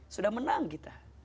sudah menang kita